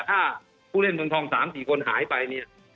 ถ้าผู้เล่นเมืองทอง๓๔คนหายไปเนี่ย